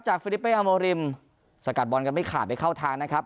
ฟิลิเป้อโมริมสกัดบอลกันไม่ขาดไปเข้าทางนะครับ